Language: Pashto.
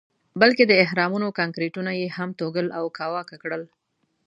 بلکې د اهرامونو کانکریټونه یې هم توږل او کاواکه کړل.